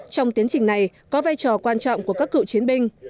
trong tiến trình này có vai trò quan trọng của các cựu chiến binh